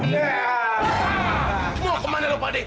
mau ke mana lo pak deh